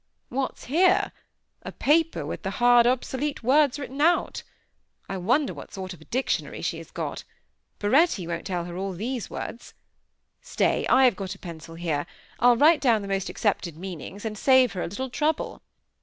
What's here: a paper with the hard, obsolete words written out. I wonder what sort of a dictionary she has got. Baretti won't tell her all these words. Stay! I have got a pencil here. I'll write down the most accepted meanings, and save her a little trouble."